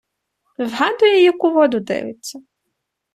Вгадує, як у воду дивиться.